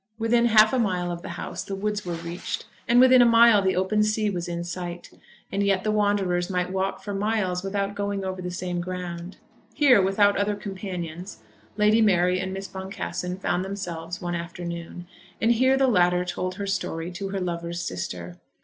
Within half a mile of the house the woods were reached, and within a mile the open sea was in sight, and yet the wanderers might walk for miles without going over the same ground. Here, without other companions, Lady Mary and Miss Boncassen found themselves one afternoon, and here the latter told her story to her lover's sister.